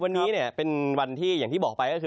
วันนี้เนี่ยเป็นวันที่อย่างที่บอกไปก็คือ